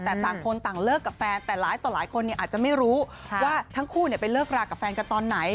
แต่ต่างคนต่างเลิกกับแฟนแต่หลายต่อหลายคนอาจจะไม่รู้ว่าทั้งคู่ไปเลิกรากับแฟนกันตอนไหน